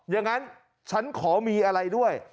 อย่างนั้นฉันขอมีอะไรด้วย